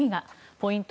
ポイント